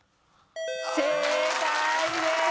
正解です。